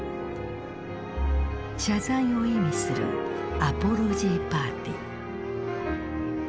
謝罪を意味するアポロジーパーティー。